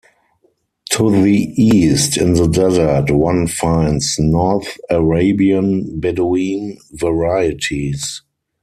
To the East, in the desert, one finds North Arabian Bedouin varieties.